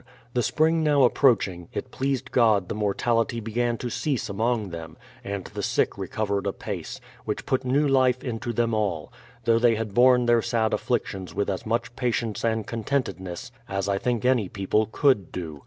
The spring now approaching, it pleased God the mortality began to cease among them, and the sick THE PLYMOUTH SETTLEMENT 83 recovered apace, which put new life into them all ; though they had borne their sad afflictions with as much patience and contentedness as I think any people could do.